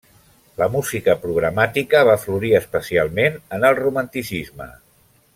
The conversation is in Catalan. La música programàtica va florir especialment en el Romanticisme.